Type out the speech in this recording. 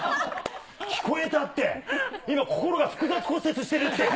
聞こえたって、今、心が複雑骨折してるって。